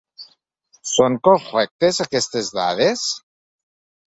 Són correctes aquestes dades?